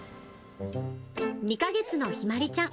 ２か月のひまりちゃん。